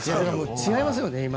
違いますよね、今。